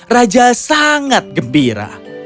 raja sangat gembira